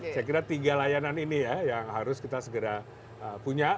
saya kira tiga layanan ini ya yang harus kita segera punya